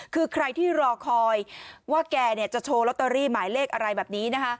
คือใครที่รอคอยว่าแกจะโชว์ลอตเตอรี่หมายเลขอะไรแบบนี้นะคะ